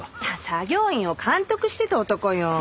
作業員を監督してた男よ。